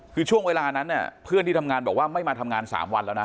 คือช่วงเวลานั้นเนี่ยเพื่อนที่ทำงานบอกว่าไม่มาทำงาน๓วันแล้วนะ